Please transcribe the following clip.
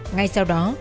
ngay sau đó